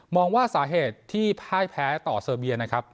มองว่าสาเหตุที่แพ้ต่อเซอร์เบียน